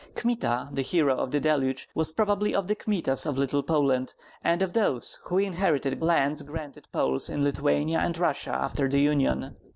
Kmita, the hero of THE DELUGE, was probably of the Kmitas of Little Poland, and of those who inherited lands granted Poles in Lithuania and Russia after the union.